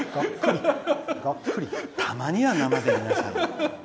たまには生で見なさい！